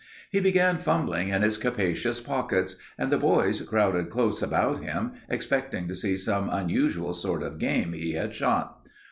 He began fumbling in his capacious pockets, and the boys crowded close about him, expecting to see some unusual sort of game he had shot.